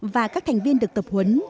và các thành viên được tập huấn